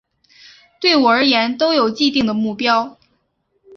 对我而言都有既定的目标